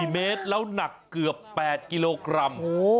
๔เมตรแล้วหนักเกือบ๘กิโลกรัม